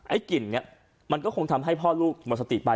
กลิ่นนี้มันก็คงทำให้พ่อลูกหมดสติไป